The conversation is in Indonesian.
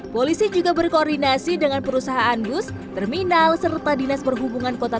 polisi juga berkoordinasi dengan perusahaan bus terminal serta dinas perhubungan kota